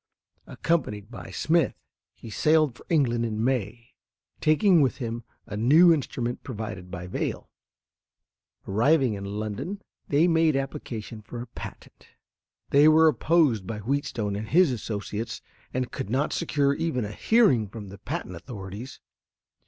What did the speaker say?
Accompanied by Smith, he sailed for England in May, taking with him a new instrument provided by Vail. Arriving in London, they made application for a patent. They were opposed by Wheatstone and his associates, and could not secure even a hearing from the patent authorities.